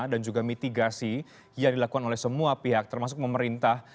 dan juga mitigasi yang dilakukan oleh semua pihak termasuk pemerintah